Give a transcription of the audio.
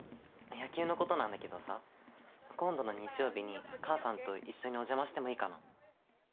野球のことなんだけどさ今度の日曜日に母さんと一緒にお邪魔してもいいかな？